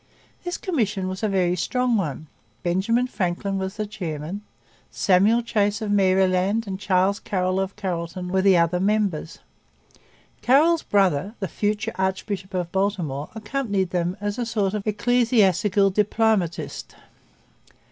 This commission was a very strong one. Benjamin Franklin was the chairman. Samuel Chase of Maryland and Charles Carroll of Carrollton were the other members. Carroll's brother, the future archbishop of Baltimore, accompanied them as a sort of ecclesiastical diplomatist.